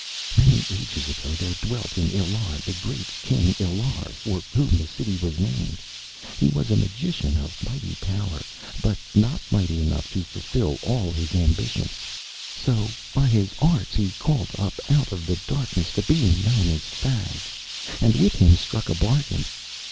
"Many ages ago there dwelt in Illar the great King Illar for whom the city was named. He was a magician of mighty power, but not mighty enough to fulfill all his ambitions. So by his arts he called up out of darkness the being known as Thag, and with him struck a bargain.